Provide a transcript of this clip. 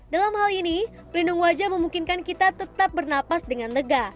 dalam hal ini pelindung wajah memungkinkan kita tetap bernapas dengan lega